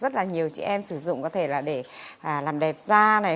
rất là nhiều chị em sử dụng có thể là để làm đẹp da này